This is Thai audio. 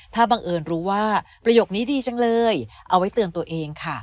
ถ้าบังเอิญรู้ว่าประโยคนี้ดีจังเลยเอาไว้เตือนตัวเองค่ะ